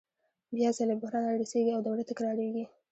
بیا ځلي بحران رارسېږي او دوره تکرارېږي